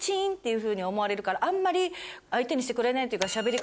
あんまり相手にしてくれないというか。